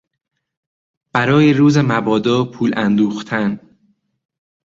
برای روز مبادا پول اندوختن